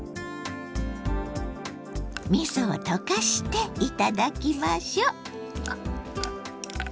みそを溶かして頂きましょう！